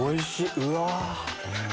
うわ！